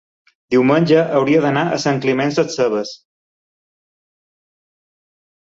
diumenge hauria d'anar a Sant Climent Sescebes.